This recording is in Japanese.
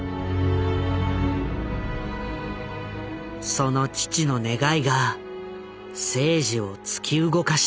その父の願いが征爾を突き動かした。